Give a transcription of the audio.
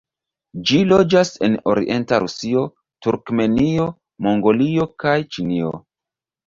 Ĝi loĝas en orienta Rusio, Turkmenio, Mongolio kaj Ĉinio.